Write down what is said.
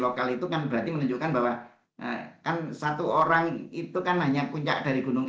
lokal itu kan berarti menunjukkan bahwa kan satu orang itu kan hanya puncak dari gunung